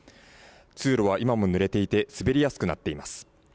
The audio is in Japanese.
通路は今もぬれていて滑りやすくなっています。